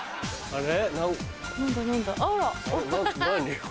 あれ？